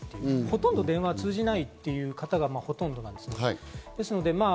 ほとんど電話が通じないという方がほとんどです。